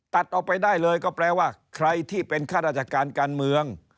ตัดออกไปได้เลยก็แปลว่าใครที่เป็นข้าราชการการเมือง